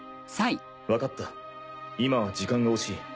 わかった今は時間が惜しい。